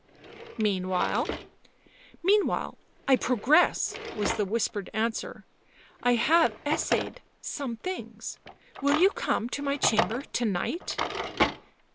" Meanwhile ?"" Meanwhile I progress," was the whispered answer. " I have essayed — some things. Will you come to my chamber to night